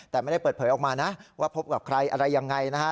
แต่ไม่ได้เปิดเผยออกมานะว่าพบกับใครอะไรยังไงนะฮะ